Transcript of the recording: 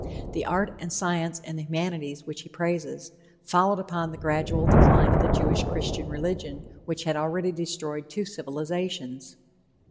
The art and science and the humanities which he praises, followed upon the gradual decline of the Jewish Christian religion which had already destroyed two civilizations.